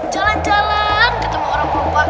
jalan jalan ketemu orang penumpang